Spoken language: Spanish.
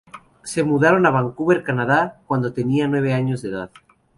Se mudaron a Vancouver, Canadá cuando tenía nueve años de edad.